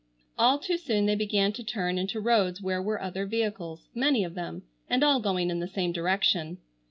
All too soon they began to turn into roads where were other vehicles, many of them, and all going in the same direction.